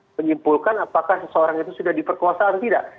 menyimpulkan apakah seseorang itu sudah diperkosaan tidak